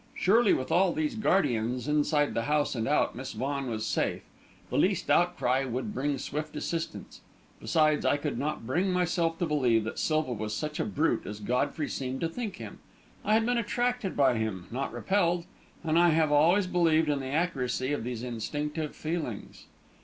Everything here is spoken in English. Surely with all these guardians, inside the house and out, Miss Vaughan was safe. The least outcry would bring swift assistance. Besides, I could not bring myself to believe that Silva was such a brute as Godfrey seemed to think him. I had been attracted by him, not repelled, and I have always believed in the accuracy of these instinctive feelings.